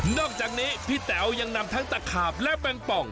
อกจากนี้พี่แต๋วยังนำทั้งตะขาบและแบงป่อง